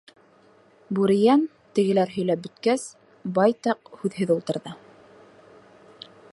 Бүрейән, тегеләр һөйләп бөткәс, байтаҡ һүҙһеҙ ултырҙы.